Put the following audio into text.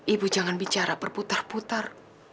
ibu jangan bicara berputar putar